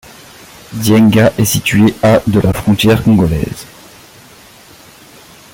Dienga est située à de la frontière Congolaise.